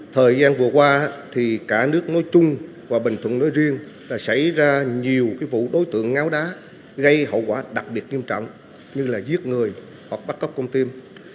thời gian vừa qua thì cả nước nói chung và bình thuận nói riêng đã xảy ra nhiều vụ đối tượng ngáo đá gây hậu quả đặc biệt nghiêm trọng như là giết người hoặc bắt cóc con tim